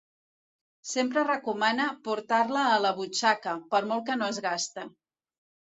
Sempre recomane portar-la a la butxaca, per molt que no es gaste.